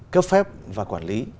cấp phép và quản lý